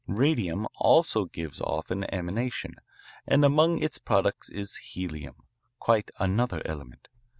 Radium also gives off an emanation, and among its products is helium, quite another element.